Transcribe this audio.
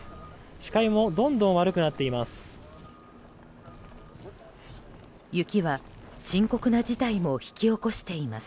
視界もどんどん悪くなっています。